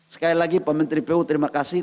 sekali lagi pak menteri pu terima kasih